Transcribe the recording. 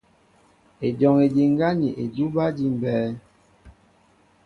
Ejɔŋ ediŋgá ni edúbɛ́ éjḭmbɛ́ɛ́.